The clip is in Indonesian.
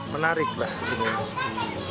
menarik lah ini